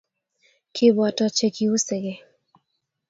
Kiboto che Kiusekei